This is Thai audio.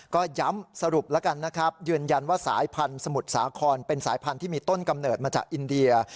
ก็ย้ำสรุปแล้วกันนะครับยืนยันว่าสายพันธุ์สมุทรสาครเป็นสายพันธุ์ที่มีต้นกำเนิดมาจากอินเดีย